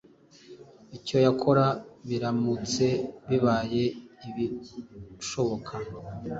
icyo yakora biramutse bibaye ibishoboka